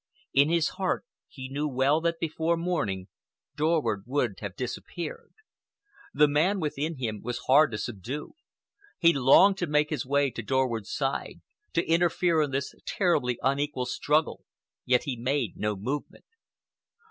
In his heart he knew well that before morning Dorward would have disappeared. The man within him was hard to subdue. He longed to make his way to Dorward's side, to interfere in this terribly unequal struggle, yet he made no movement.